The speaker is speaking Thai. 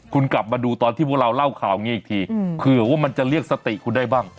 คุณกลับมาดูตอนที่พวกเราเล่าข่าวอย่างนี้อีกทีเผื่อว่ามันจะเรียกสติคุณได้บ้าง